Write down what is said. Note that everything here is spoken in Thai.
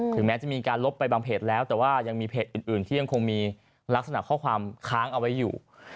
แม้จะมีการลบไปบางเพจแล้วแต่ว่ายังมีเพจอื่นที่ยังคงมีลักษณะข้อความค้างเอาไว้อยู่